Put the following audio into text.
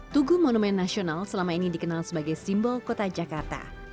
tugu monumen nasional selama ini dikenal sebagai simbol kota jakarta